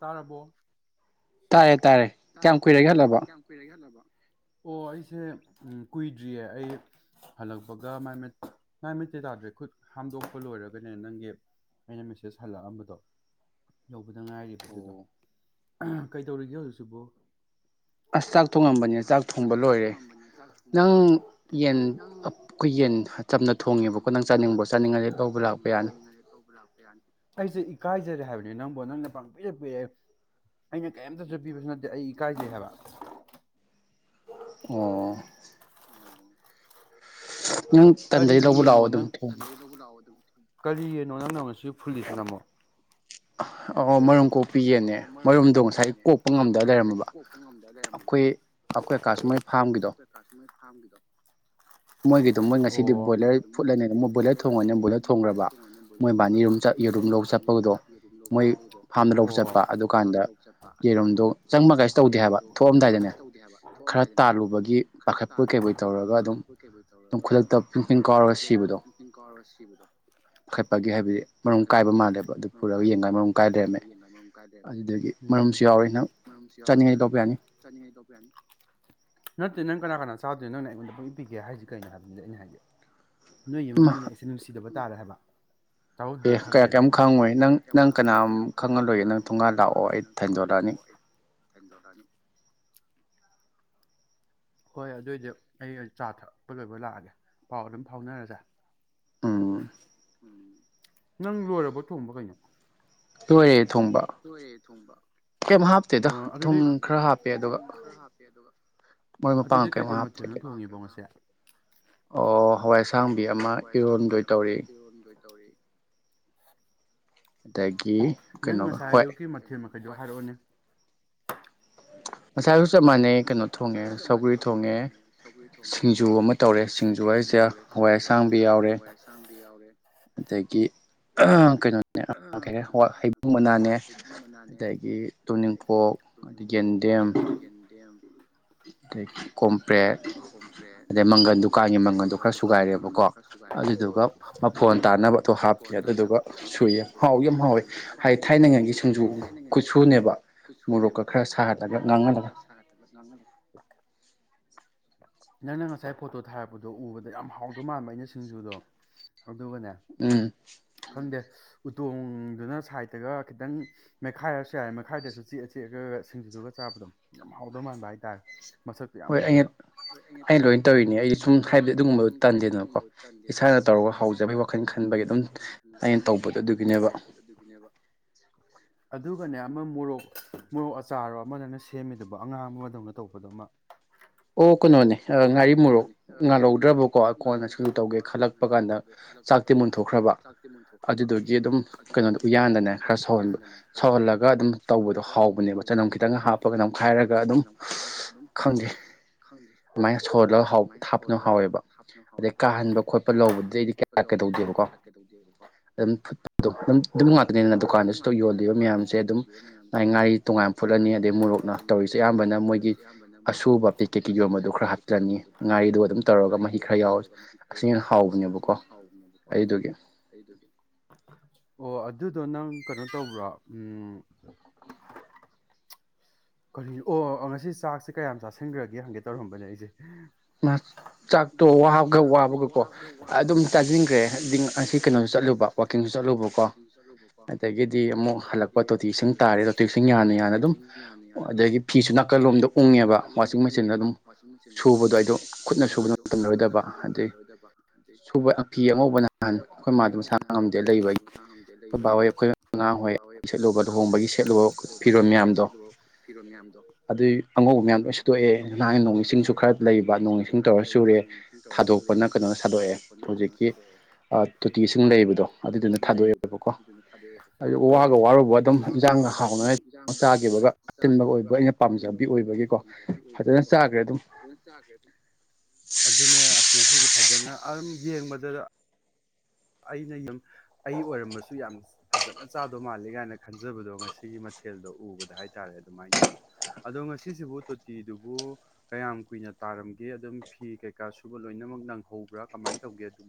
ꯇꯥꯔꯕꯣ ꯇꯥꯏ ꯇꯥꯔꯦ ꯇꯥꯔꯦ ꯀꯌꯥꯝ ꯀꯨꯏꯔꯒꯦ ꯍꯜꯂꯕꯣ ꯑꯣ ꯑꯩꯁꯦ ꯀꯨꯏꯗ꯭ꯔꯤꯌꯦ ꯑꯩ ꯍꯜꯂꯛꯄꯒ ꯇꯥꯗ꯭ꯔꯦ ꯈꯨꯠ ꯍꯥꯝꯗꯣꯛꯄ ꯂꯣꯏꯔꯒꯅꯦ ꯅꯪꯒꯤ ꯑꯩꯅ ꯃꯦꯁꯦꯁ ꯍꯜꯂꯛꯑꯝꯕꯗꯣ ꯗ ꯉꯥꯏꯔꯤꯕ ꯑꯗꯨꯗꯣ ꯀꯩꯗꯧꯔꯤꯒꯦ ꯍꯧꯖꯤꯛꯁꯤꯕꯨ [inaudible] ꯑꯁ ꯆꯥꯛ ꯊꯣꯡꯉꯝꯕꯅꯦ ꯆꯥꯛ ꯊꯣꯡꯕ ꯂꯣꯏꯔꯦ ꯅꯪ ꯌꯦꯟ ꯑꯩꯈꯣꯏ ꯌꯦꯟ ꯑꯩꯈ ꯌꯦꯟꯝꯅ ꯊꯣꯡꯉꯤꯕ ꯈꯨꯪ ꯆꯥꯅꯤꯡꯕ ꯆꯥꯅꯤꯡꯉꯗꯤ ꯂꯧꯕ ꯂꯥꯛꯄ ꯌꯥꯅꯤ ꯀꯥꯏꯖꯔꯦ ꯍꯥꯏꯕꯅꯤ ꯅꯪꯕꯨ ꯅꯪꯅ ꯄꯪ ꯄꯤꯔꯛꯑꯦ ꯑꯩꯅ ꯀꯩꯝ ꯄꯤꯕꯁꯨ ꯅꯠꯇꯦ ꯑꯩ ꯏꯀꯥꯏꯖꯩ ꯍꯥꯏꯕ ꯑꯣ ꯅꯨꯡ ꯇꯟꯗꯒꯤꯩ ꯂꯧꯕ ꯂꯥꯛꯑꯣ ꯑꯗꯨꯝ ꯀꯔꯤꯒꯤꯅꯣ ꯅꯪꯅꯪ ꯉꯁꯤ ꯐꯨꯜꯂꯤꯁꯅ ꯑꯃꯃꯣ ꯑ ꯃꯔꯨꯝ ꯀꯣꯛ ꯑ ꯃꯔꯨꯝ ꯀꯣꯛꯄꯤꯒꯦꯅꯦ ꯃꯔꯨꯝꯗꯣ ꯉꯁꯥꯏ ꯀꯣꯛꯄ ꯉꯝꯗ꯭ꯔ ꯂꯩꯔꯝꯃꯕ ꯑꯩꯈꯣꯏ ꯀꯥꯁꯃꯩ ꯐꯥꯔꯝꯒꯤꯗꯣ ꯐꯝꯒꯤꯗꯣ [inaudible] ꯃꯣꯏꯒꯤꯗꯨꯝ ꯃꯣꯏ ꯉꯁꯤꯗꯤ ꯕꯣꯏꯂꯔ ꯐꯨꯠ ꯂꯩꯅꯤꯗ ꯃꯣꯏ ꯕꯣꯏꯂꯔ ꯊꯣꯡꯉꯅꯤꯅ ꯣꯏꯂꯔ ꯊꯣꯡꯈ꯭ꯔꯕ ꯃꯣꯏꯕꯥꯅꯤꯔꯨꯝ ꯆꯨꯝ ꯅꯤ ꯑꯗꯨꯨꯝ ꯆꯠ ꯑꯗꯨꯨꯝꯗ ꯆꯠꯄꯒꯗꯣ ꯂꯧ ꯆꯠꯄ ꯑꯗꯨꯀꯥꯟꯗ ꯌꯦꯔꯨꯝꯗꯣ ꯆꯡꯕ ꯀꯥꯏꯁꯨ ꯇꯧꯗꯦ ꯍꯥꯏꯕ ꯊꯣꯛꯑꯝꯗꯥꯏꯗꯅꯦ ꯈꯔ ꯇꯥꯜꯂꯨꯕꯒꯤ ꯄꯥꯈꯠꯄꯣꯏ ꯀꯩꯕꯣꯌ ꯇꯧꯔꯒ ꯑꯗꯨꯝ ꯕꯣꯏ ꯀꯩꯕꯤꯏ ꯇꯧꯔꯒ ꯑꯗꯨꯝ ꯈꯨꯗꯛꯇ ꯄ ꯄꯤꯡ ꯀꯥꯎꯔꯒ ꯁꯤꯕꯗꯣ ꯄꯈꯠꯄꯒꯤ ꯍꯥꯏꯕꯗꯤ ꯃꯔꯨꯝ ꯀꯥꯏꯕ ꯃꯥꯜꯂꯦꯕ ꯑꯗꯨ ꯄꯨꯔꯒ ꯌꯦꯡꯉꯥꯏ ꯃꯔꯨꯝ ꯀꯥꯏꯗꯔꯝꯃꯦ ꯌꯦꯡꯀꯅ ꯃꯥꯔꯨꯝ ꯀꯩ ꯂꯩꯔꯝꯃꯦ ꯎꯝ ꯑꯗꯨꯒꯤ ꯃꯔꯝꯁꯨ ꯌꯥꯎꯔꯤ ꯅꯡ ꯇꯥꯅꯤ ꯂꯣꯛꯄ ꯌꯥꯅꯤ ꯅꯠꯇꯦ ꯅꯡ ꯀꯅꯥ ꯀꯅꯥ ꯆꯥꯗꯣꯏ ꯅꯡ ꯑꯩꯉꯣꯟꯗ ꯑꯗꯨꯝꯄꯤꯒꯦ ꯍꯥꯏꯁꯤ ꯀꯩꯅꯣ ꯍꯥꯏꯕꯅꯤꯗ ꯑꯩꯅ ꯍꯥꯏꯖꯦ ꯅꯣꯏ ꯌꯨꯃꯒꯤ ꯃꯤꯅꯥ ꯑꯩꯁꯤ ꯅꯨꯡꯁꯤꯗꯕ ꯇꯥꯔꯦ ꯍꯥꯏꯕ ꯑꯦ ꯀꯌꯥ ꯀꯌꯥꯡ ꯈꯡꯉꯣꯏ ꯅꯡ ꯅꯡ ꯀꯅꯥ ꯈꯉꯜ ꯂꯣꯏꯌꯦ ꯅꯡ ꯊꯨꯡꯉꯥꯟ ꯂꯥꯛꯑꯣ ꯑꯩ ꯊꯟꯗꯣꯔꯛꯑꯅꯤ ꯊꯤꯟꯗꯣꯔꯥꯅꯤ ꯍꯣꯏ ꯑꯗꯨꯏꯗꯤ ꯑꯩ ꯆꯥ ꯊꯛꯄ ꯂꯣꯏꯕ ꯂꯥꯛꯑꯒꯦ ꯄꯥꯎ ꯑꯗꯨꯝ ꯐꯥꯎꯅꯔꯁꯦ ꯎ ꯅꯡ ꯂꯣꯏꯔꯕ ꯊꯣꯡꯕ ꯀꯩꯅꯣ ꯂꯣꯏꯔꯦꯠ ꯂꯣꯏꯔꯦ ꯊꯣꯡꯕꯥ ꯀꯩ ꯍꯥꯞꯇꯦꯗ ꯊꯨꯝ ꯈꯔ ꯍꯥꯞꯄꯦ ꯑꯗꯨꯒ ꯑꯗꯨꯗꯤ ꯀꯩꯀꯩ ꯃꯊꯦꯜꯅ ꯊꯣꯡꯉꯤꯕꯣ ꯉꯁꯦ ꯑꯣ ꯍꯋꯥꯏꯁꯥꯡꯕꯤ ꯑꯃ ꯏꯔꯣꯟꯗꯣꯏ ꯇꯧꯔꯤ ꯇꯧꯔꯤ ꯑꯗꯒꯤ ꯀꯩꯅꯣꯒꯥ ꯉꯁꯥꯏ ꯑꯌꯨꯛꯀꯤ ꯃꯊꯦꯜ ꯃꯈꯩꯗꯨ ꯍꯥꯏꯔꯛꯑꯣꯅꯦ ꯉꯥꯁꯥꯌ ꯑꯌꯨꯛ ꯆꯥꯞ ꯃꯅꯦ ꯀꯩꯅꯣ ꯊꯣꯡꯉꯦ ꯁꯧꯒꯔꯤ ꯊꯣꯡꯉꯦ ꯁꯤꯡꯖꯨ ꯑꯃ ꯇꯧꯔꯦ ꯁꯤꯡꯖꯨ ꯍꯥꯏꯁꯦ ꯍꯋꯥꯏ ꯑꯁꯥꯡ ꯇꯤꯌꯥꯛ ꯍꯑꯋꯥꯏ ꯑꯁꯥꯡꯕꯤ ꯌꯥꯎꯔꯦ ꯑꯗꯒꯤ ꯀꯩꯅꯣꯅꯦ ꯍꯩꯕꯨꯡ ꯃꯅꯥꯅꯦ ꯑꯗꯒꯤ ꯇꯣꯅꯤꯡꯄꯣꯛ ꯑꯗꯒꯤ ꯌꯦꯟꯗꯦꯝ ꯑ ꯀꯣꯝꯄ꯭ꯔꯦꯠ ꯑꯗꯩ ꯃꯡꯒꯟ ꯗꯨꯀꯥꯟꯒꯤ ꯃꯡꯒꯜꯗꯨꯣ ꯈꯔ ꯁꯨꯒꯥꯏꯔꯦꯕꯀꯣ ꯑꯗꯨꯗꯨꯒ ꯃꯥ ꯐꯣꯟ ꯇꯥꯅꯕ ꯇꯣ ꯍꯥꯞꯄꯤ ꯑꯗꯨꯗꯨꯒ ꯁꯨꯏꯌꯦ ꯍꯥꯎ ꯌꯥꯝ ꯍꯥꯎꯋꯦ ꯍꯥꯏꯗꯤ ꯊꯥꯏꯅꯉꯥꯏꯒꯤ ꯁꯤꯡꯖꯨ ꯈꯨꯨꯠꯁꯨꯅꯦꯕ ꯀꯨꯠꯁꯨꯅꯦꯕ ꯃꯣꯔꯣꯛꯀ ꯈꯔ ꯁꯥꯒꯠꯂꯒ ꯉꯥꯡꯅꯅꯕ [inaudible] ꯅꯡꯅ ꯉꯁꯥꯏ ꯐꯣꯇꯣ ꯊꯥꯔꯛꯄꯗꯣ ꯎꯕꯗ ꯌꯥꯝ ꯍꯥꯎꯗꯧ ꯃꯥꯟꯕ ꯑꯩꯅ ꯁꯤꯡꯖꯨꯗꯣ ꯑꯗꯨꯒꯅꯦ ꯈꯡꯗꯦ ꯎꯇꯣꯡꯗꯨꯅ ꯁꯥꯏꯗꯠꯇꯒ ꯈꯤꯇꯡ ꯃꯩꯈꯥꯏꯔꯁꯨ ꯌꯥꯔꯦ ꯃꯩꯈꯥꯏꯗꯁꯨ ꯆꯤꯛꯑ ꯆꯤꯛꯑꯒ ꯁꯤꯡꯖꯨ ꯑꯗꯨꯒ ꯆꯥꯕꯗꯣ ꯌꯥꯝ ꯍꯥꯎꯗꯧ ꯃꯥꯟꯕ ꯍꯥꯏꯇꯥꯔꯦ ꯃꯁꯛꯇꯨ ꯌꯥꯝ ꯐꯖꯕ ꯍꯣꯏ ꯑꯩꯅ ꯑꯩꯅ ꯂꯣꯏ ꯇꯧꯔꯤꯅꯦ ꯑꯩ ꯁꯨꯡ ꯍꯥꯏꯕꯗꯤ ꯑꯗꯨꯒꯨꯝꯕꯗꯨ ꯇꯟꯗꯦꯗꯅꯀ ꯏꯁꯥꯅ ꯇꯧꯔꯒ ꯍꯧꯖꯕꯒꯤ ꯋꯥꯈꯜ ꯈꯟꯕꯒꯤ ꯑꯗꯨꯝ ꯑꯩꯅ ꯇꯧꯕꯗꯣ ꯑꯗꯨꯒꯤꯅꯦꯕ ꯑꯗꯨꯒꯅꯦ ꯑꯃ ꯃꯣꯔꯣꯛ ꯃꯣꯔꯣꯛ ꯑꯆꯥꯔꯣ ꯑꯃꯅꯦꯅ ꯁꯦꯝꯃꯤꯗꯕ ꯑꯉꯥꯡ ꯑꯃꯗꯧꯅ ꯇꯧꯕꯗꯨꯃ ꯑꯣ ꯀꯩꯅꯣꯅꯦ ꯉꯥꯔꯤ ꯃꯣꯔꯣꯛ ꯉꯥꯜꯍꯧꯗ꯭ꯔꯕꯀꯣ ꯑꯩ ꯀꯣꯟꯅ ꯁꯨꯝ ꯇꯧꯒꯦ ꯈꯜꯂꯛꯄ ꯀꯥꯟꯗ ꯆꯥꯛꯇꯤ ꯃꯨꯟꯊꯣꯛꯈ꯭ꯔꯕ ꯑꯗꯨꯗꯨꯒꯤ ꯑꯗꯨꯝ ꯀꯩꯅꯣꯗ ꯎꯌꯥꯟꯗꯅ ꯈꯔ ꯁꯧꯍꯟꯕ ꯁꯧꯍꯜꯂꯒ ꯑꯗꯨꯝ ꯁꯧꯍꯜꯂꯒ ꯑꯗꯨꯝ ꯇꯧꯕꯗꯣ ꯍꯥꯎꯕꯅꯦꯕ ꯆꯅꯝ ꯈꯤꯇꯡ ꯍꯥꯞꯄꯒ ꯅꯝꯈꯥꯏꯔꯒ ꯑꯗꯨꯝ ꯑꯗꯨꯃꯥꯏꯅ ꯁꯣꯜꯂꯒꯍꯥꯏ ꯊꯞꯄꯅ ꯍꯥꯎꯋꯦꯕ ꯑꯗꯩ ꯀꯥꯍꯟꯕ ꯈꯣꯠꯄ ꯂꯧꯕꯗꯨꯗꯩꯗꯤ ꯀꯌꯥ ꯀꯩꯗꯧꯗꯦꯕꯀꯣ ꯀꯌꯥ ꯀꯩꯇꯧꯗ ꯑꯗꯨꯝ ꯐꯨ ꯑꯗꯨꯝ ꯉꯥꯛꯇꯅꯤꯅ ꯗꯨꯀꯥꯟꯗꯁꯨ ꯌꯣꯜꯂꯤꯕ ꯃꯌꯥꯝꯁꯦ ꯑꯗꯨꯝ ꯉꯥꯏ ꯉꯥꯔꯤ ꯇꯣꯉꯥꯟꯅ ꯐꯨꯠꯛ ꯅꯤ ꯑꯗꯩ ꯃꯣꯔꯣꯛꯅ ꯇꯧꯔꯤꯁꯦ ꯑꯌꯥꯝꯕꯅ ꯃꯣꯏꯒꯤ ꯑꯁꯨꯕ ꯄꯤꯀꯦꯠꯀꯤ ꯌꯣꯟꯕꯗꯨ ꯈꯔ ꯍꯥꯞꯆꯅꯤ ꯉꯥꯔꯤꯗꯨ ꯑꯗꯨꯝ ꯇꯧꯔꯒ ꯃꯍꯤ ꯈꯔ ꯌꯥꯎꯔ ꯑꯁꯤ ꯍꯦꯅ ꯍꯥꯎꯕꯅꯦꯕꯀꯣ ꯑꯗꯨꯗꯨꯒꯤ ꯑꯣ ꯑꯠ ꯑꯗꯨꯗꯣ ꯅꯪ ꯀꯩꯅꯣ ꯇꯧꯕ꯭ꯔꯣ ꯀ ꯑꯣ ꯉꯁꯤ ꯆꯥꯛꯁꯦ ꯀꯌꯥꯝ ꯆꯥꯁꯤꯟꯈ꯭ꯔꯒꯦ ꯍꯪꯒꯦ ꯇꯧꯔꯝꯕꯅꯦ ꯑꯩꯁꯦ ꯀ꯭ꯂꯥꯁ ꯆꯥꯛꯇꯣ ꯋꯥꯕꯒ ꯋꯥꯕꯒ ꯀꯣ ꯑꯗꯨꯝ ꯆꯥꯁꯤꯟꯈ꯭ꯔꯦ ꯑꯗꯨ ꯉꯁꯤ ꯀꯩꯅꯣꯁꯨ ꯆꯠꯂꯨꯕ ꯋꯥꯋꯥꯛꯀꯤꯡ ꯆꯠꯂꯨꯕꯀꯣ ꯑꯗꯒꯤꯗꯤ ꯑꯃꯨꯛ ꯍꯜꯂꯛꯄ ꯇꯣꯇꯤꯁꯤꯡ ꯇꯥꯔꯦ ꯇꯣꯇꯤꯁꯤꯡ ꯌꯥꯅ ꯌꯥꯅ ꯑꯗꯨꯝ ꯑꯗꯒꯤ ꯐꯤꯁꯨ ꯅꯥꯀꯜ ꯂꯣꯝꯗ ꯎꯡꯉꯦꯕ ꯋꯥꯁꯤꯡ ꯃꯦꯆꯤꯟꯗ ꯑꯗꯨꯝ ꯁꯨꯕꯗꯣ ꯑꯩ ꯑꯗꯨ ꯈꯨꯠꯅ ꯁꯨꯕꯗ ꯃꯇꯝꯂꯔꯣꯏꯗꯕ ꯑꯗꯩ ꯁꯨꯕ ꯑ ꯐꯤ ꯑꯉꯧꯕ ꯅꯍꯥꯟ ꯑꯩꯈꯣꯏ ꯃꯥꯗꯨ ꯌꯦꯟꯁꯥꯡ ꯉꯝꯗ ꯂꯩꯕꯒꯤ ꯑꯩꯈꯣꯏ ꯕꯥꯍꯣꯏ ꯑꯩꯈꯣꯏ ꯑꯉꯥꯡꯍꯣꯏ ꯁꯦꯠꯂꯨꯕ ꯂꯨꯍꯣꯡꯕꯒꯤ ꯁꯦꯠꯂꯨꯕ ꯐꯤꯔꯣꯝ [unintelligible] [unintelligible] ꯑꯗꯨꯏ ꯑꯉꯧꯕ ꯃꯌꯥꯝ ꯂꯣꯏꯁꯨꯇꯣꯛꯑꯦ ꯅꯍꯥꯟ ꯅꯣꯡꯃꯤ ꯏ ꯆꯤꯡꯁꯨ ꯈꯔ ꯂꯩꯕ ꯏꯁꯤꯡ ꯇꯧꯔꯨꯔꯦ ꯊꯥꯗꯣꯛꯄꯅ ꯀꯩꯅꯣꯅ ꯊꯥꯗꯣꯛꯑꯦ ꯍꯧꯖꯤꯛꯀꯤ ꯇꯣꯇꯤ ꯏꯁꯤꯡ ꯂꯩꯕꯗꯣ ꯑꯗꯨꯗꯨꯅ ꯊꯥꯗꯣꯛꯑꯦꯕꯀꯣ ꯑꯗꯨ ꯋꯥꯒ ꯋꯥꯔꯨꯕ ꯑꯗꯨꯝ ꯏꯟꯖꯥꯡꯒ ꯍꯥꯎꯅꯉꯥꯏ ꯃ ꯆꯥꯈꯤꯕꯒ ꯆꯥꯒꯦꯔꯒ ꯍꯥꯛꯆꯤꯟꯕ ꯑꯣꯏꯕ ꯑꯩꯅ ꯄꯥꯝꯖꯕꯗꯤ ꯑꯣꯏꯕꯒꯤꯀꯣ ꯑꯗꯨꯅ ꯆꯥꯒ ꯑꯗꯨꯅꯦ ꯑꯁ ꯉꯁꯤꯗꯤ ꯐꯖꯅ ꯑꯗꯨꯝ ꯌꯦꯡꯕꯗꯗ [inaudible] ꯑꯩꯅ ꯌꯨꯝ ꯑꯩ ꯑꯣꯏꯔꯝꯕꯁꯨ ꯌꯥꯝ ꯐꯖꯅ ꯆꯥꯗꯧ ꯃꯥꯂ ꯀꯥꯏꯅ ꯈꯟꯖꯕꯗꯣ ꯉꯁꯤꯒꯤ ꯃꯊꯦꯜꯗ ꯑꯗ ꯎꯕꯗ ꯍꯥꯏ ꯍꯥꯏꯇꯥꯔꯦ ꯑꯗꯨꯃꯥꯏꯅ ꯇꯧꯕ ꯑꯗꯣ ꯉꯁꯤꯁꯤꯕꯨ ꯇꯣꯇꯤꯗꯨꯕꯨ ꯀꯌꯥꯝ ꯀꯨꯏꯅ ꯇꯥꯔꯝꯒꯦ ꯑꯗꯨꯝ ꯐꯤ ꯀꯩꯀꯥ ꯁꯨꯕ ꯂꯣꯏꯅꯃꯛ ꯅꯪꯍꯧꯕ꯭ꯔꯥ ꯀꯃꯥꯏꯅ ꯇꯧꯒꯦ ꯑꯗꯨ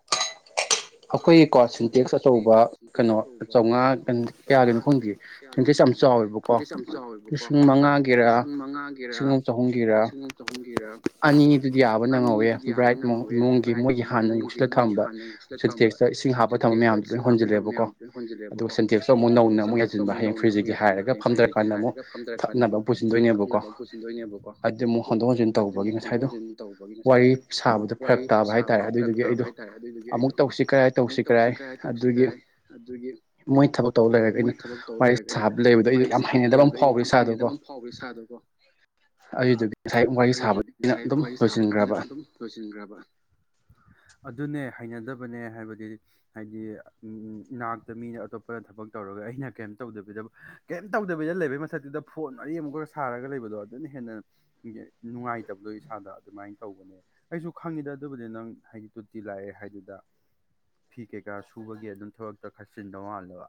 [inaudible] ꯑꯩꯈꯣꯏꯒꯤꯀꯣ ꯁꯤꯟꯇꯦꯛꯁ ꯑꯆꯧꯕ ꯀꯩꯅꯣ ꯆꯥꯝꯃꯉꯥ ꯀꯌꯥꯒꯤꯅꯣ ꯈꯪꯕꯤꯦ ꯁꯤꯟꯇꯦꯛꯁ ꯋꯇꯁ ꯌꯥꯝ ꯆꯥꯎꯋꯦꯕꯀꯣ ꯂꯤꯁꯤꯡ ꯃꯉꯥꯒꯤꯔ ꯂꯤꯁꯤꯡ ꯑꯃ ꯆꯍꯨꯝꯒꯤꯔ ꯑꯅꯤꯗꯨꯗꯤ ꯌꯥꯕ ꯅꯪꯍꯧꯋꯦ ꯕ꯭ꯔꯥꯏꯠ ꯏꯃꯨꯡꯒꯤ ꯃꯣꯏꯒꯤ ꯍꯥꯟꯅ ꯌꯧꯁꯤꯜꯂ ꯊꯝꯕ ꯁꯤꯦꯟꯇꯦꯛꯁꯇ ꯏꯁꯤꯡ ꯍꯥꯞꯄ ꯊꯝꯕ ꯃꯌꯥꯝꯗꯨ ꯂꯣꯏ ꯍꯣꯟꯖꯤꯜꯂꯦꯕꯀꯣ ꯑꯗꯨꯒ ꯁꯤꯦꯟꯇꯦꯛꯁꯇꯣ ꯑꯃꯨꯛ ꯅꯧꯅ ꯑꯃꯨꯛ ꯌꯥꯁꯤꯟꯕ ꯍꯌꯦꯡ ꯐꯨ꯭ꯔꯤꯁꯤꯒꯤ ꯍꯥꯏꯔꯒ ꯐꯝꯊꯔ ꯀꯥꯟꯗ ꯑꯃꯨꯛ ꯊꯛꯅꯕ ꯑꯃ ꯄꯨꯁꯤꯟꯗꯣꯏꯅꯦꯕꯀꯣ ꯑꯗꯨ ꯑꯃꯨꯛ ꯍꯣꯟꯗꯣꯛ ꯍꯣꯟꯖꯤꯟ ꯇꯧꯕꯒꯤ ꯉꯁꯥꯏꯗꯣ ꯋꯥꯔꯤ ꯁꯥꯕꯗ ꯐꯔꯛ ꯇꯥꯕ ꯍꯥꯏꯇꯥꯔꯦ ꯑꯗꯨꯏꯗꯨꯒꯤ ꯑꯃꯨꯛ ꯇꯧꯁꯤ ꯀꯥꯏ ꯑꯃꯨꯛ ꯇꯧꯁꯤ ꯈ꯭ꯔꯥꯏ ꯇꯧꯁꯤ ꯈꯔꯥꯏ ꯑꯗꯨꯒꯤ ꯃꯣꯏ ꯊꯕꯛ ꯇꯧꯕ ꯂꯩꯔꯒ ꯑꯩꯅ ꯋꯥꯔꯤ ꯁꯥꯕ ꯂꯩꯕꯗꯣ ꯑꯩꯁꯨ ꯌꯥꯝ ꯍꯩꯅꯗꯕ ꯑꯃ ꯐꯥꯎꯕ꯭ꯔꯦ ꯏꯁꯥꯗꯣꯀꯣ ꯍ ꯑꯗꯨꯗꯨꯒꯤ ꯉꯁꯥꯏ ꯋꯥꯔꯤ ꯁꯥꯕꯅ ꯑꯗꯨꯝ ꯂꯣꯏꯁꯤꯟꯈ꯭ꯔꯕ ꯑꯗꯨꯅꯦ ꯍꯩꯅꯗꯕꯅꯦ ꯍꯥꯏꯕꯗꯤ ꯍꯥꯏ ꯍꯥꯏꯗꯤ ꯏꯅꯥꯛꯇ ꯃꯤꯅ ꯑꯇꯣꯞꯄꯅ ꯊꯕꯛ ꯇꯧꯔꯒ ꯑꯩꯅ ꯀꯔꯤꯝ ꯇꯧꯗꯕꯤꯗꯕ ꯀꯩꯝ ꯇꯧꯗꯕꯤꯗ ꯂꯩꯕꯒꯤ ꯃꯊꯛꯇꯨꯗ ꯐꯣꯟ ꯃꯔꯤ ꯑꯃꯛ ꯈꯔ ꯁꯥꯔꯒ ꯂꯩꯕꯗꯣ ꯑꯗꯨꯅ ꯍꯦꯟꯅ ꯅꯨꯡꯉꯥꯏꯇꯕꯗꯣ ꯏꯁꯥꯗ ꯑꯗꯨꯃꯥꯏꯅ ꯇꯧꯕꯅꯦ ꯑꯩꯁꯨ ꯈꯪꯉꯤꯗ ꯑꯗꯨꯕꯨꯗꯤ ꯅꯪ ꯍꯥꯏꯗꯤ ꯇꯨꯔꯇꯤ ꯂꯥꯛꯑꯦ ꯍꯥꯏꯗꯨꯗ [inaudible] ꯐꯤ ꯀꯩꯀꯥ ꯁꯨꯕꯒꯤ ꯑꯗꯨꯝ ꯊꯕꯛꯇ ꯈꯔꯆꯤꯟꯗꯧ ꯃꯥꯜꯂꯕ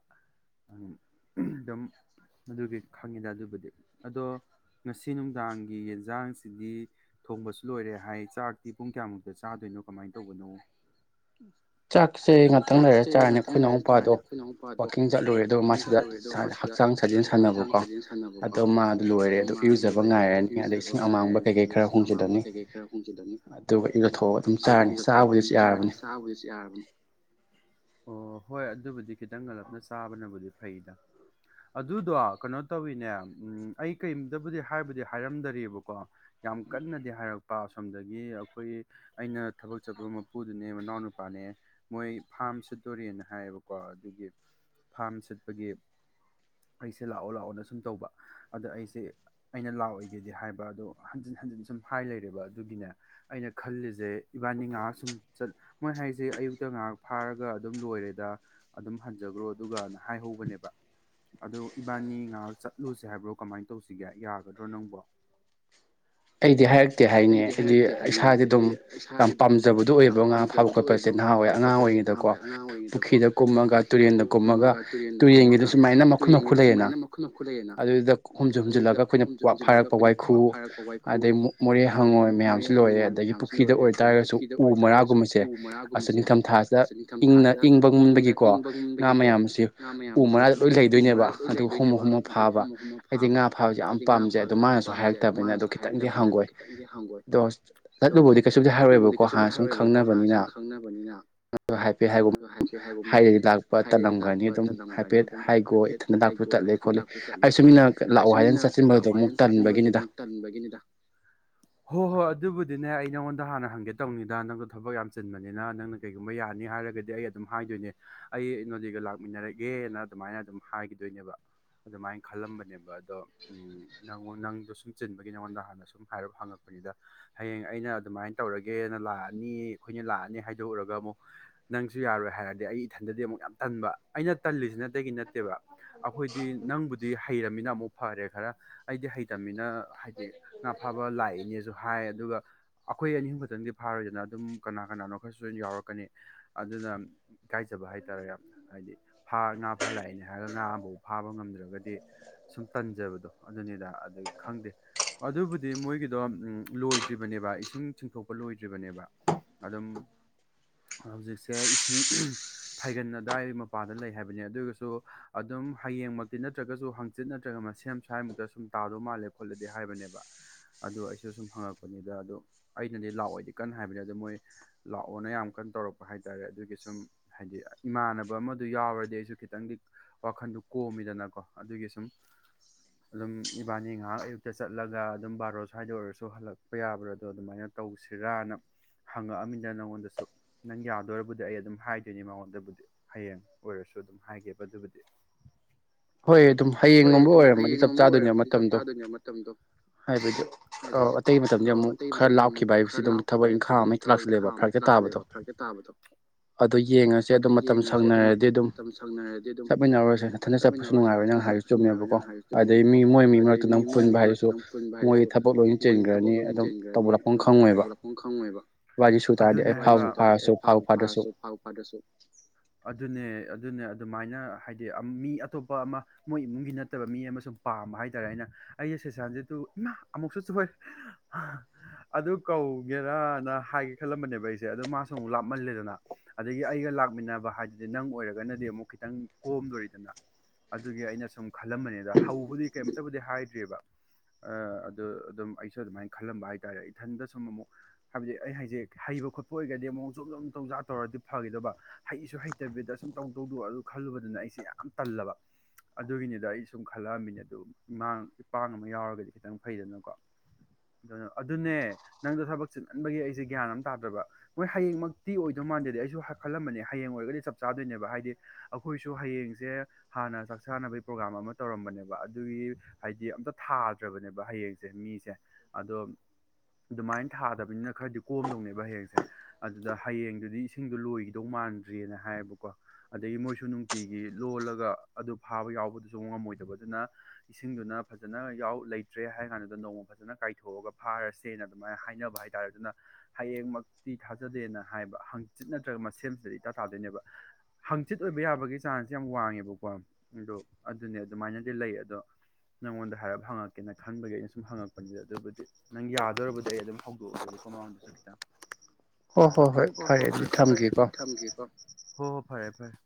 ꯑꯗꯨꯝ ꯑꯗꯨꯝ ꯑꯗꯨꯒꯤ ꯈꯪꯉꯤꯗ ꯑꯗꯨꯕꯨꯗꯤ ꯑꯗꯣ ꯉꯁꯤ ꯅꯨꯡꯗꯥꯡꯒꯤ ꯌꯦꯟꯁꯥꯡꯁꯤꯗꯤ ꯊꯣꯡꯕꯁꯨ ꯂꯣꯏꯔꯦ ꯍꯥꯏ ꯆꯥꯛꯇꯤ ꯄꯨꯡ ꯀꯌꯥꯃꯨꯛꯇ ꯆꯥꯗꯣꯏꯅ ꯣ ꯀꯃꯥꯏꯅ ꯇꯧꯕꯅꯣ ꯎ ꯆꯥꯛꯁꯦ ꯉꯥꯛꯇꯪ ꯂꯩꯔꯦ ꯆꯥꯔꯅꯤ ꯑꯩꯣꯏꯅꯥꯎꯄꯥꯗꯣ ꯋꯥꯋꯥꯛꯀꯤꯡ ꯆꯠꯂꯨꯔꯦ ꯑꯗꯨꯒ ꯃꯥꯁꯤꯗ ꯍꯛꯆꯥꯡ ꯁꯥꯖꯦꯟ ꯁꯥꯟꯅꯕꯀꯣ ꯑꯗꯣ ꯃꯥꯗꯣ ꯂꯣꯏꯔꯦ ꯑꯗꯣ ꯏꯔꯨꯖꯕ ꯉꯥꯏꯔꯅꯤ ꯑꯗꯩ ꯏꯁꯤꯡ ꯑꯃꯥꯡꯕ ꯀꯩ ꯀꯩ ꯑꯩ ꯈꯔ ꯍꯣꯡꯖꯤꯜꯂꯅꯤ ꯑꯗꯨꯒ ꯏ ꯂꯧꯊꯣꯛꯑꯒ ꯑꯗꯨꯝ ꯆꯥꯔꯅꯤ ꯆꯥꯕꯗꯨꯁꯨ ꯌꯥꯔꯕꯅꯤ ꯑꯣ ꯍꯣꯏ ꯑꯗꯨꯕꯨꯗꯤ ꯈꯤꯇꯪ ꯉꯜꯂꯞꯅ ꯆꯥꯕꯅꯕꯨꯗꯤ ꯐꯩꯗ ꯑꯗꯨꯗꯣ ꯀꯩꯅꯣ ꯇꯧꯋꯤꯅꯦ ꯎꯝ ꯑꯩ ꯀꯔꯤꯝꯇꯕꯨꯗꯤ ꯍꯥꯏꯕꯨꯗꯤ ꯍꯥꯏꯔꯝꯗꯔꯤꯑꯕꯀꯣ ꯌꯥꯝ ꯀꯟꯅꯗꯤ ꯍꯥꯏꯔꯛꯄ ꯑꯁꯣꯝꯗꯒꯤ ꯑꯩꯈꯣꯏ ꯑꯩꯅ ꯊꯕꯛ ꯆꯠꯄꯨ ꯃꯄꯨꯗꯨꯅꯦ ꯃꯅꯥꯎꯅꯨꯄꯥꯅꯦ ꯃꯣꯏ ꯐꯥꯔꯝ ꯁꯠꯇꯣꯔꯤꯅ ꯍꯥꯏꯌꯦꯕꯀꯣ ꯑꯗꯨꯒꯤ ꯐꯥꯝ ꯁꯠꯄꯒꯤ ꯑꯩꯁꯦ ꯂꯥꯛꯑꯣ ꯂꯥꯛꯑꯣꯅ ꯁꯨꯝ ꯇꯧꯕ ꯑꯗ ꯑꯩꯁꯦ ꯑꯩꯅ ꯂꯥꯛꯑꯣꯏꯒꯦꯗꯤ ꯍꯥꯏꯕ ꯑꯗꯣ ꯍꯟꯖꯤꯟ ꯍꯟꯖꯤꯟ ꯁꯨꯝ ꯍꯥꯏ ꯂꯩꯔꯦꯕ ꯑꯗꯨꯒꯤꯅꯦ ꯑꯩꯅ ꯈꯜꯂꯤꯁꯦ ꯏꯕꯥꯅꯤ ꯉ ꯁꯨꯝ ꯆꯠꯂ ꯃꯣꯏ ꯍꯥꯏꯔꯤꯁꯦ ꯑꯌꯨꯛ ꯑꯛꯇ ꯉꯥꯏꯍꯥꯛ ꯐꯥꯔꯒ ꯑꯗꯨꯝ ꯂꯣꯏꯔꯦꯗ ꯑꯗꯨꯝ ꯍꯟꯖꯈ꯭ꯔꯣ ꯑꯗꯨꯒꯅ ꯍꯥꯏꯍꯧꯕꯅꯦꯕ ꯑꯗꯨ ꯏꯕꯥꯅꯤ ꯉꯥꯏꯍꯥꯛ ꯆꯠꯂꯨꯁꯦ ꯍꯥꯏꯕ꯭ꯔꯣ ꯀꯃꯥꯏꯅ ꯇꯧꯁꯤꯒꯦ ꯌꯥꯒꯗ꯭ꯔꯣ ꯅꯪꯕꯣ ꯑꯩꯗꯤ ꯍꯥꯏ ꯐꯠꯇꯦ ꯍꯥꯏꯅꯤ ꯍꯥꯏꯗꯤ ꯏꯁꯥꯗꯤ ꯑꯗꯨꯝ ꯌꯥꯝ ꯄꯥꯝꯖꯕꯗꯨꯣ ꯑꯣꯏꯌꯦꯕ ꯉꯥ ꯐꯥꯕ ꯈꯣꯠꯄꯁꯦ ꯅꯍꯥꯋꯥꯏ ꯑꯉꯥꯡ ꯑꯣꯏ ꯗꯀꯣ ꯄꯨꯈ꯭ꯔꯤꯗ ꯀꯨꯝꯃꯒ ꯇꯨꯔꯦꯜꯗ ꯀꯨꯝꯃꯒ ꯇꯨꯔꯦꯟꯒꯤꯗ ꯁꯨꯃꯥꯏꯅ ꯃꯈꯨꯜ ꯃꯈꯨꯜ ꯂꯩꯌꯦꯅ ꯃꯅ ꯈꯂꯒꯅ ꯍꯨꯝꯖꯤꯟ ꯍꯨꯝꯖꯤꯜꯂꯒ ꯑꯩꯈꯣꯏꯅ ꯐꯥꯔꯛꯄ ꯋꯥꯏꯈꯨ ꯑꯗꯩ ꯃꯣꯔꯦ ꯍꯪꯉꯣꯏ ꯃꯌꯥꯝꯁꯨ ꯂꯣꯏꯔꯦ ꯑꯗꯒꯤ ꯄꯨꯈ꯭ꯔꯤꯗ ꯑꯣꯏꯇꯥꯥꯔꯒꯁꯨ ꯎ ꯃꯔꯥꯒꯨꯝꯕꯁꯦ ꯑ ꯅꯤꯡꯊꯝꯊꯥꯁꯤꯗ ꯏꯪꯅ ꯏꯪꯕ ꯉꯟꯕꯒꯤꯀꯣ ꯉꯥ ꯃꯌꯥꯝꯁꯦ ꯎ ꯃꯔꯥꯗ ꯂꯣꯏ ꯂꯩꯗꯣꯏꯅꯤ ꯕ ꯑꯗꯨꯒ ꯍꯨꯝꯃꯨ ꯍꯨꯝꯃ ꯐꯥꯕ ꯑꯩꯗꯤ ꯉꯥ ꯐꯥꯕꯁꯨ ꯌꯥꯝ ꯄꯥꯝꯖꯩ ꯑꯣ ꯃꯥꯅꯁꯨ ꯍꯥꯏꯔꯛꯇꯕꯅꯤ ꯑꯪ ꯗꯤ ꯍꯪꯒꯣꯏ ꯑꯗꯣ ꯆꯠꯂꯨꯕꯗꯤ ꯀꯩꯁꯨꯗꯤ ꯍꯥꯏꯔꯣꯏꯦꯕꯀꯣ ꯍꯥꯟꯅ ꯁꯨꯝ ꯈꯪꯅꯕꯅꯤꯅ ꯍꯥꯏꯐꯦꯠ ꯍꯥꯏꯒꯨꯝ ꯍꯥꯏꯔꯗꯤ ꯂꯥꯛꯄ ꯇꯠꯂꯝꯒꯅꯤ ꯑꯗꯨꯝ ꯍꯥꯏꯐꯦꯠ ꯍꯥꯏꯈꯣ ꯏꯊꯟꯗꯥꯛꯄ ꯆꯠꯂꯦ ꯈꯣꯂꯦ ꯑꯥꯏꯁꯨꯃꯤꯅ ꯑꯩ ꯁꯨꯝ ꯃꯤꯅ ꯂꯥꯛꯑꯣ ꯍꯥꯏꯗꯅ ꯆꯠꯁꯤꯟꯕꯗꯣ ꯑꯃꯨꯛ ꯇꯟꯕꯒꯤꯅꯤꯗ ꯍꯣꯏ ꯍꯣꯏ ꯑꯗꯨꯕꯨꯗꯤꯅꯦ ꯑꯩ ꯅꯪꯉꯣꯟꯗ ꯍꯥꯟꯅ ꯍꯪꯒꯦ ꯇꯧꯅꯤꯗ ꯅꯪꯗꯣ ꯊꯕꯛ ꯌꯥꯝ ꯆꯤꯟꯕꯅꯤꯅ ꯅꯪꯅ ꯀꯩꯒꯨꯝꯕ ꯌꯥꯅꯤ ꯍꯥꯏꯔꯒ ꯗꯤ ꯑꯩ ꯑꯗꯨꯝ ꯍꯥꯏꯗꯣꯏꯅꯦ ꯑꯩ ꯅꯣꯗꯤꯒ ꯂꯥꯛꯃꯤꯟꯅꯔꯒꯦꯅ ꯑꯗꯨꯃꯥꯏꯅ ꯑꯗꯨꯝ ꯍꯥꯏꯈꯤꯗꯣꯏꯅꯦꯕ ꯑꯗꯨꯃꯥꯏꯅ ꯈꯜꯂꯝꯕꯅꯦꯕ ꯑꯗꯣ ꯅꯪꯣꯟ ꯅꯪꯗꯣ ꯁꯨꯝ ꯆꯤꯟꯕꯒꯤ ꯅꯉꯣꯟꯗ ꯍꯥꯟꯅ ꯁꯨꯝ ꯍꯥꯏꯔ ꯍꯪꯉꯛꯄꯅꯤꯗ ꯍꯌꯦꯡ ꯑꯩꯅ ꯑꯩꯅ ꯑꯗꯨꯃꯥꯏꯅ ꯇꯧꯔꯒꯦꯅ ꯂꯥꯛꯑꯅꯤ ꯑꯩꯈꯣꯏꯅ ꯂꯥꯛꯑꯅꯤ ꯍꯥꯏꯗꯣꯛꯎꯔꯒ ꯑꯃꯨꯛ ꯅꯪꯁꯨ ꯌꯥꯔꯣꯏ ꯍꯥꯏꯔꯗꯤ ꯑꯩ ꯏꯊꯟꯗ ꯑꯃꯨ ꯌꯥꯝ ꯇꯟꯕ ꯑꯩꯅ ꯇꯜꯂꯤꯁꯤꯅꯠꯇ ꯅꯠꯇꯦꯕ ꯑꯩꯈꯣꯏ ꯅꯕꯨ ꯍ ꯅ ꯑꯃꯨꯛ ꯐꯔꯦ ꯈꯔ ꯑꯩꯗꯤ ꯍꯩꯇꯕꯅꯤꯅ ꯍꯥꯏꯗꯤ ꯉꯥ ꯐꯥꯕ ꯂꯥꯛꯏꯅꯦꯁꯨ ꯍꯥꯏ ꯑꯗꯨꯒ ꯑꯩꯈꯣꯏ ꯑꯅꯤꯍꯤꯡ ꯈꯛꯇꯪꯗꯤ ꯐꯥꯔꯣꯏꯗꯅ ꯑꯗꯨꯝ ꯀꯅꯥ ꯀꯅꯥꯅꯣ ꯈꯔꯁꯨ ꯑꯗꯨꯝ ꯌꯥꯎꯔꯛꯀꯅꯤ ꯑꯗꯨꯅ ꯐꯖꯕ ꯍꯥꯏꯇꯥꯔꯦ ꯌꯥꯝ ꯍꯥꯏꯗꯤ ꯉꯥ ꯐꯥ ꯂꯛꯑꯦꯅꯦ ꯍꯥꯏꯔꯒ ꯉꯥ ꯑꯃꯐꯥꯎ ꯐꯥꯕ ꯉꯝꯗ꯭ꯔꯒꯗꯤ ꯁꯨꯝ ꯇꯟꯖꯕꯗꯣ ꯑꯗꯨꯅꯤꯗ ꯑꯗꯨ ꯈꯪꯗꯦ ꯑꯗꯨꯕꯨꯗꯤ ꯃꯣꯏꯒꯤꯗꯣ ꯎꯝ ꯂꯣꯏꯗ꯭ꯔꯤꯕꯅꯦꯕ ꯏꯁꯤꯡ ꯆꯤꯡꯊꯣꯛꯄ ꯂꯣꯏꯗ꯭ꯔꯤꯕꯅꯦꯕ ꯑꯗꯨꯝ ꯍꯧꯖꯤꯛꯁꯦ ꯏꯁꯤꯡ ꯐꯩꯒꯟ ꯑꯗꯨꯗꯥꯋꯥꯏ ꯃꯄꯥꯟꯗ ꯂꯩ ꯍꯥꯏꯕꯅꯦ ꯑꯗꯨꯒꯁꯨ ꯑꯗꯨꯝ ꯍꯌꯦꯡꯃꯛꯇꯤ ꯅꯠꯇ꯭ꯔꯒꯁꯨ ꯆꯤꯠ ꯅꯠꯇ꯭ꯔꯒ ꯃꯁꯦꯝ ꯁ꯭ꯋꯥꯏꯃꯨꯛꯇ ꯁꯨꯝ ꯇꯥꯗꯧ ꯃꯥꯜꯂꯦ ꯈꯣꯠꯂꯗꯤ ꯍꯥꯏꯕꯅꯦꯕ ꯑꯗꯨ ꯑꯩꯁꯨ ꯁꯨꯝ ꯍꯪꯉꯛꯄꯅꯤꯗ ꯑꯗꯨ ꯑꯩꯅꯗꯤ ꯂꯥꯛꯑꯣꯏꯗꯤ ꯀꯟꯅ ꯍꯥꯏꯕꯅꯤ ꯑꯗ ꯃꯣꯏ ꯂꯥꯛꯑꯣꯅ ꯌꯥꯝ ꯀꯟꯅ ꯇꯧꯔꯛꯄ ꯍꯥꯏꯇꯥꯔꯦ ꯑꯗꯨꯒꯤ ꯁꯨꯝ ꯍꯥꯏꯗꯤ ꯏꯃꯥꯟꯅꯕ ꯑꯃꯗꯨ ꯌꯥꯎꯔꯗꯤ ꯑꯩꯁꯨ ꯈꯤꯇꯪꯗꯤ ꯋꯥꯈꯟꯗꯨ ꯀꯣꯝꯃꯤꯗꯅꯀꯣ ꯑꯗꯨꯒꯤ ꯁꯨꯝ ꯎꯝ ꯑꯗꯨꯝ ꯏꯕꯥꯅꯤ ꯉꯥꯏꯍꯥꯛ ꯑꯌꯨꯛꯇ ꯆꯠꯂꯒ ꯑꯗꯨꯝ ꯕꯥꯔꯣ ꯁ꯭ꯋꯥꯏꯗ ꯑꯣꯏꯔꯁꯨ ꯍꯜꯂꯛꯄ ꯌꯥꯕ꯭ꯔꯥꯗꯣ ꯑꯗꯨꯃꯥꯏꯅ ꯇꯧ ꯇꯧꯁꯤꯔꯥꯅ ꯍꯪꯉꯛꯑꯃꯤꯅ ꯅꯪꯉꯣꯟꯗꯁꯨ ꯅꯪ ꯌꯥꯗꯣꯏꯔꯕꯨꯗꯤ ꯑꯩ ꯑꯗꯨꯝ ꯍꯥꯏꯗꯣꯏꯅꯤ ꯃꯉꯣꯟꯗꯕꯨꯗꯤ ꯍꯌꯦꯡ ꯑꯣꯏꯔꯁꯨ ꯁꯨ ꯑꯗꯨꯝ ꯍꯥꯏꯒꯦꯕ ꯑꯗꯨꯕꯨꯗꯤ ꯍꯣꯏ ꯍꯣꯏ ꯑꯗꯨꯝ ꯍꯌꯦꯡꯒꯨꯝꯕ ꯑꯣꯏꯔꯝꯃꯗꯤ ꯆꯞ ꯆꯥꯗꯣꯏꯅꯦ ꯃꯇꯝꯗꯣ ꯍꯥꯏꯕꯗꯤ ꯑ ꯑꯇꯩ ꯃꯇꯝꯗ ꯑꯃꯨꯛ ꯈꯔ ꯂꯥꯛꯈꯤꯕ ꯍꯥꯏꯕꯁꯤ ꯑꯗꯨꯝ ꯊꯕꯛ ꯏꯪꯈꯥꯡ ꯑꯃ ꯍꯦꯛꯇ ꯂꯥꯛꯁꯤꯜꯂꯦꯕ ꯐꯔ ꯍꯛꯇ ꯂꯦꯕ ꯈꯔ ꯀꯦ ꯇꯥꯕꯗꯣ ꯑꯗꯨ ꯌꯦꯡꯉꯁꯦ ꯑꯗꯨꯝ ꯃꯇꯝ ꯁꯪꯅꯔꯗꯤ ꯑꯗꯨꯝ ꯆꯠꯃꯤꯟꯅꯔꯁꯦ ꯅꯅꯥꯊ ꯆꯠꯄ ꯐꯁꯨ ꯅꯨꯡꯉꯥꯏꯔ ꯅꯪ ꯍꯥꯏ ꯆꯨꯝꯃꯦꯕꯀꯣ ꯑꯗꯩ ꯃꯤ ꯃꯣꯏ ꯃꯤ ꯃꯔꯛꯇ ꯑꯗꯨꯪ ꯄꯨꯟꯕ ꯍꯥꯏꯔꯁꯨ ꯃꯣꯏ ꯊꯕꯛ ꯂꯣꯏꯅ ꯆꯦꯟꯈ꯭ꯔꯅꯤ ꯑꯗꯨꯝ ꯍꯡꯈ꯭ꯔꯅꯤ ꯑꯗꯨꯝ ꯇꯧꯕꯂꯛꯄ ꯈꯪꯉꯣꯏꯕ ꯑꯗꯨꯅꯦ ꯍꯥꯏꯕꯇꯥꯥꯔꯗꯤ ꯑꯩ ꯐꯥꯎꯕ ꯐꯥꯔꯁꯨ ꯐꯥꯎꯕ ꯐꯥꯗ꯭ꯔꯁꯨ ꯑꯗꯨꯅꯦ ꯑꯗꯨꯅꯦ ꯑꯗꯨꯃꯥꯏꯅ ꯍꯥꯏꯗꯤ ꯃꯤ ꯑꯇꯣꯞꯄ ꯑꯃ ꯃꯣꯏ ꯏꯃꯨꯡꯒꯤ ꯅꯠꯇꯕ ꯃꯤ ꯑꯃꯁꯨꯡꯨꯝ ꯄꯥꯝꯕ ꯍꯥꯏꯇꯥꯥꯔꯦ ꯑꯩꯅ ꯑꯩꯁ ꯁꯦꯁꯟꯁꯤꯦ ꯑꯗꯨ ꯑꯃꯨꯛꯁꯨ ꯑꯗꯨ ꯀꯧꯒꯦꯔꯅ ꯍꯥꯏꯒꯦ ꯈꯜꯂꯝꯕꯅꯦꯕ ꯑꯩꯁꯦ ꯑꯗꯨ ꯃꯥꯁꯨ ꯑꯃꯨꯛ ꯂꯥꯞꯃꯜꯂꯦꯗꯅ ꯑꯗꯒꯤ ꯑꯩꯒ ꯂꯥꯛꯃꯤꯟꯅꯕ ꯍꯥꯏꯗꯨꯗꯤ ꯅꯪ ꯑꯣꯏꯔꯒꯅꯗꯤ ꯑꯃꯨꯛ ꯈꯤꯇꯪ ꯀꯣꯝꯗꯣꯔꯤꯗꯅ ꯑꯗꯨꯒꯤ ꯑꯩꯅ ꯁꯨꯝ ꯈꯜꯂꯝꯕꯅꯤꯗ ꯍꯧꯕꯗꯤ ꯀꯩꯝꯇꯕꯨꯗꯤ ꯍꯥꯏꯗ꯭ꯔꯤꯑꯕ ꯑꯗꯨ ꯑꯗꯨꯝ ꯑꯩꯁꯨ ꯑꯗꯨꯃꯥꯏꯅ ꯈꯜꯂꯝꯕ ꯍꯥꯏꯇꯥꯔꯦ ꯏꯊꯟꯗ ꯁꯨꯝ ꯑꯃꯨꯛ ꯍꯥꯏꯕꯗꯤ ꯑꯩ ꯍꯥꯏꯖ ꯕ ꯈꯣꯠꯄ ꯑꯣꯏꯔꯒꯗꯤ ꯑꯃꯑꯣꯛ ꯖꯨꯝ ꯣꯨꯝ ꯇꯧꯖꯥ ꯇꯧꯔꯗꯤ ꯐꯒꯗꯕ ꯍꯩꯁꯨ ꯍꯩꯇꯕꯤꯗ ꯑꯁꯨꯝ ꯇꯧ ꯇꯧꯗꯣ ꯈꯜꯂ ꯑꯗꯨꯅ ꯑꯩꯁꯦ ꯌꯥꯝ ꯇꯜꯂꯕ [inaudible] ꯑꯗꯨꯒꯤꯅꯤꯗ ꯑꯩ ꯁꯨꯝ ꯈꯜꯂꯛꯑꯃꯤꯅꯦ ꯑꯗꯨ ꯏꯃꯥꯡ ꯏꯄꯥꯥꯡ ꯑꯃ ꯌꯥꯎꯔꯒꯗꯤ ꯈꯤꯇꯪ ꯐꯩꯗꯅꯀꯣ ꯑꯗꯨ ꯑꯗꯨꯅꯦ ꯅꯪꯗ ꯊꯕꯛ ꯆꯠ ꯅꯟꯕꯒꯤ ꯑꯩꯁꯦ ꯒ꯭ꯌꯥꯟ ꯑꯃ ꯇꯥꯗ꯭ꯔꯕ ꯃꯣꯏ ꯍꯌꯦꯡꯃꯛꯇꯤ ꯑꯣꯏꯗꯣꯏ ꯃꯥꯟꯗꯗꯤ ꯑꯩꯁꯨ ꯈꯜꯂꯝꯕꯅꯦ ꯍꯌꯦꯡ ꯑꯣꯏꯔꯒꯗꯤ ꯆꯞ ꯆꯥꯗꯣꯏꯅꯦꯕ ꯍꯥꯏꯗꯤ ꯑꯩꯈꯣꯏꯁꯨ ꯍꯌꯦꯡꯁꯦ ꯍꯥꯟꯅ ꯆꯥꯛ ꯆꯥꯅꯕꯒꯤ ꯄ꯭ꯔꯣꯒꯥ꯭ꯔꯥꯝ ꯑꯃ ꯇꯧꯔꯝꯕꯅꯦꯕ ꯑꯗꯨꯒꯤ ꯍꯥꯏꯗꯤ ꯑꯝꯇ ꯊꯥꯗ꯭ꯔꯕꯅꯦꯕ ꯍꯌꯦꯡꯁꯦ ꯃꯤ ꯃꯤꯁꯦ ꯑꯗꯣ ꯑꯗꯨꯃꯥꯏꯅ ꯊꯥꯗꯕꯅꯤꯅ ꯈꯔꯗꯤ ꯀꯣꯝꯗꯧꯅꯦꯕ ꯍꯌꯦꯡꯁꯦ ꯑꯗꯨꯗ ꯍꯌꯦꯡꯗꯨꯗꯤ ꯏꯁꯤꯡꯗꯣ ꯂꯣꯏꯈꯤꯗꯧ ꯃꯥ ꯃꯥꯟꯗ꯭ꯔꯤꯑꯅ ꯍꯥꯏꯌꯦꯕꯀꯣ ꯑꯗꯒꯤ ꯃꯣꯏꯁꯨ ꯅꯨꯡꯇꯤꯒꯤ ꯂꯣꯜꯂꯒ ꯑꯗꯨ ꯐꯥꯕ ꯌꯥꯎꯕꯗꯨꯁꯨ ꯉꯝꯃꯣꯏꯗꯕ ꯑꯗꯨꯅ ꯏꯁꯤꯡꯗꯨꯅ ꯐꯖꯅꯎ ꯂꯩꯇ꯭ꯔꯦ ꯍꯥꯏꯔ ꯀꯥꯟꯗꯨꯗ ꯅꯣꯡ ꯐꯖꯅ ꯀꯥꯏꯊꯣꯛꯑꯒ ꯐꯥꯔꯁꯦꯅ ꯑꯗꯨꯃꯥꯏꯅ ꯍꯥꯏꯅꯕ ꯍꯥꯏꯇꯥꯔꯦ ꯑꯗꯨꯅ ꯍꯌꯦꯡꯃꯛꯇꯤ ꯊꯥꯖꯗꯦꯅ ꯍꯥꯏꯕ ꯍꯪꯆꯤꯠ ꯅꯠꯇ꯭ꯔꯒ ꯃꯁꯦꯝꯁꯤꯗ ꯏꯇꯥ ꯇꯥꯗꯣꯏꯅꯦꯕ ꯍꯪꯆꯤꯠ ꯑꯣꯏꯕ ꯌꯥꯕꯒꯤ ꯆꯥꯟꯁꯦ ꯌꯥꯝ ꯋꯥꯡꯉꯦꯕ ꯀ ꯑꯗꯣ ꯑꯗꯨꯅꯦ ꯑꯗꯨꯃꯥꯏꯅꯗꯤ ꯂꯩ ꯑꯗꯣ ꯅꯪꯉꯣꯟꯗ ꯍꯥꯏꯔꯞ ꯍꯪꯉꯛꯀꯦꯅ ꯈꯟꯕꯒꯤ ꯑꯩꯅ ꯁꯨꯝ ꯍꯪꯉꯛꯄꯅꯤꯗ ꯑꯗꯨꯕꯨꯗꯤ ꯅꯪ ꯌꯥꯗꯣꯏꯗꯤ ꯑꯩ ꯑꯗꯨꯝ ꯍꯧꯗꯣꯛꯑꯒ ꯗꯨꯁꯨ ꯈꯤꯇꯪ ꯍꯣꯏ ꯍꯣꯏ ꯍꯣꯏ ꯐꯔꯦ ꯑꯗꯨꯗꯤ ꯊꯝꯒꯦꯀꯣ ꯍꯣ ꯍꯣ ꯐꯔꯦ ꯐꯔꯦ